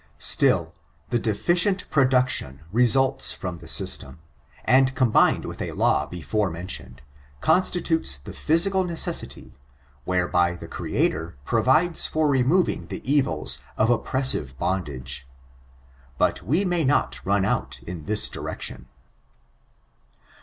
Still, the deficient production results from the system; and, combined with a law before mentioned, constitutes the physical necessity, whereby the Creator provides for removing the evils of oppressive bondage. But we may not run x)ut in this direction.